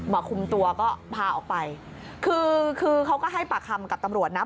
คุมตัวก็พาออกไปคือคือเขาก็ให้ปากคำกับตำรวจนะ